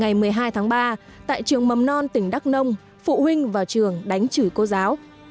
ngày một mươi hai tháng ba tại trường mầm non tỉnh đắk nông phụ huynh vào trường đánh chửi cô giáo